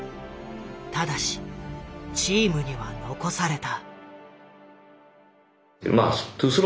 ただしチームには残された。